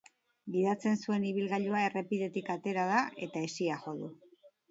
Gidatzen zuen ibilgailua errepidetik atera da eta hesia jo du.